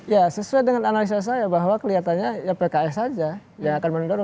ya sesuai dengan analisa saya bahwa kelihatannya ya pks saja yang akan mendorong